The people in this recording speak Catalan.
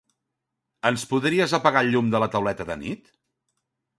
Ens podries apagar el llum de la tauleta de nit?